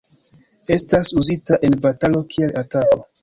Estas uzita en batalo kiel atako.